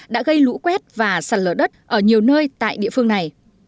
đã gây lũ quét và sạt lở đất ở nhiều nơi tại địa phương này